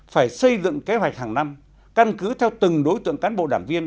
phải xây dựng kế hoạch hàng năm căn cứ theo từng đối tượng cán bộ đảng viên